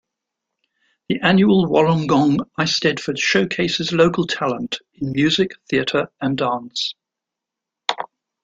The annual Wollongong Eisteddfod showcases local talent in music, theatre and dance.